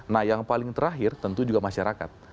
nah yang paling terakhir tentu juga masyarakat